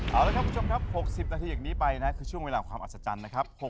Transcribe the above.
เอาละครับคุณผู้ชมครับ๖๐นาทีอย่างนี้ไปนะคือช่วงเวลาของความอัศจรรย์นะครับ